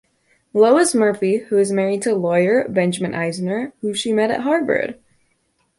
Lois Murphy is married to lawyer Benjamin Eisner, whom she met at Harvard.